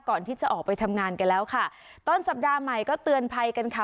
ก่อนที่จะออกไปทำงานกันแล้วค่ะต้นสัปดาห์ใหม่ก็เตือนภัยกันค่ะ